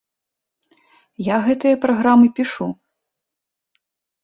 Я гэтыя праграмы пішу.